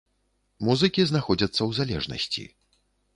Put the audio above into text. Музыкі знаходзяцца ў залежнасці.